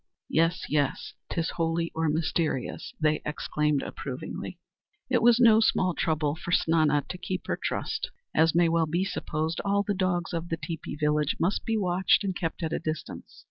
(Yes, yes, 'tis holy or mysterious)," they exclaimed approvingly. It was no small trouble for Snana to keep her trust. As may well be supposed, all the dogs of the teepee village must be watched and kept at a distance.